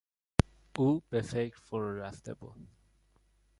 او به فکر فرو رفته بود.